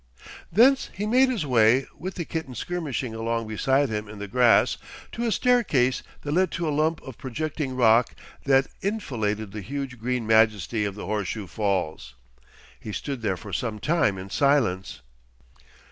Thence he made his way, with the kitten skirmishing along beside him in the grass, to a staircase that led to a lump of projecting rock that enfiladed the huge green majesty of the Horseshoe Fall. He stood there for some time in silence.